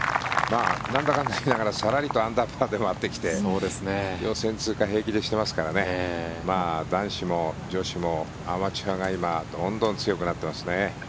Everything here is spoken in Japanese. なんだかんだいいながらさらりとアンダーパーで回ってきて予選通過平気でしていますからね男子も女子もアマチュアが今どんどん強くなってますね。